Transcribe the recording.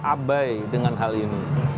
abai dengan hal ini